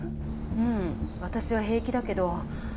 うん私は平気だけど。